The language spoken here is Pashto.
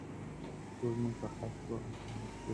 سپوږمۍ پر هسک وه او ما کیسې لوستلې.